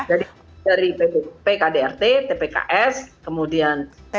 jadi dari pkdrt tpks kemudian